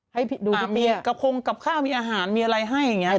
ให้ดูมีกระพงกับข้าวมีอาหารมีอะไรให้อย่างนี้